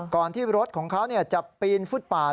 ก่อนที่รถของเขาจับปีนฟุตปา